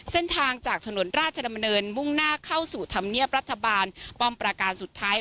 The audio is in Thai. เส้นทางจากถนนราชดำเนินมุ่งหน้าเข้าสู่ธรรมเนียบรัฐบาลป้อมประการสุดท้าย